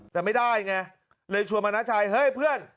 แต่ไม่ได้ไงเลยชวนมาน้าชายเฮ้ยเพื่อน